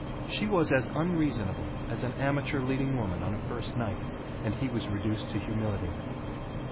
She was as unreasonable as an amateur leading woman on a first night, and he was reduced to humility.